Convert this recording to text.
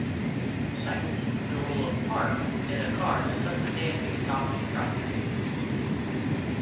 Second, the role of "Park" in a car necessitated a stopped drivetrain.